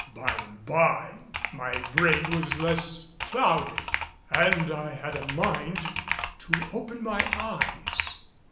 By and by my brain was less clouded and I had a mind to open my eyes.